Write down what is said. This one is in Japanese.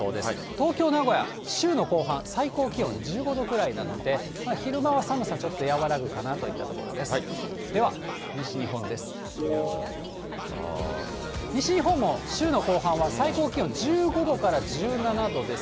東京、名古屋、週の後半、最高気温１５度くらいなので、まあ昼間は寒さ、ちょっと和らぐかなといったところです。